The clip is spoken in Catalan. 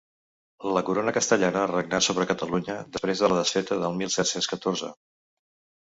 La corona castellana regnà sobre Catalunya després de la desfeta del mil set-cents catorze.